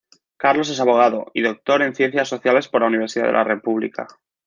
Carlos es abogado y doctor en ciencias sociales por la Universidad de la República.